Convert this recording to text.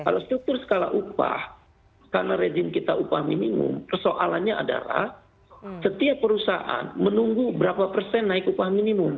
kalau struktur skala upah karena rejim kita upah minimum persoalannya adalah setiap perusahaan menunggu berapa persen naik upah minimum